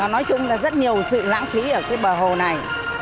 nói chung là rất nhiều sự lãng phí ở cái bờ hồ này